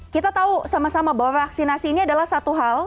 kita tahu sama sama bahwa vaksinasi ini adalah satu hal